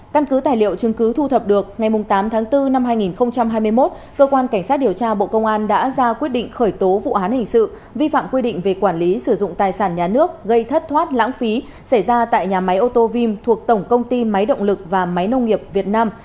căn cứ tài liệu chứng cứ thu thập được ngày tám tháng bốn năm hai nghìn hai mươi một cơ quan cảnh sát điều tra bộ công an đã ra quyết định khởi tố vụ án hình sự vi phạm quy định về quản lý sử dụng tài sản nhà nước gây thất thoát lãng phí xảy ra tại nhà máy ô tô vim thuộc tổng công ty máy động lực và máy nông nghiệp việt nam